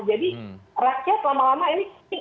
jadi rakyat lama lama ini